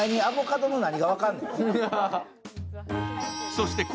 そして昴